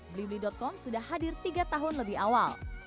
blibli com sudah hadir tiga tahun lebih awal